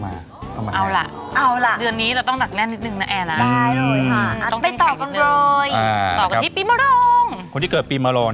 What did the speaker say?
แม่บ้านประจันบัน